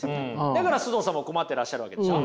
だから須藤さんも困ってらっしゃるわけでしょ？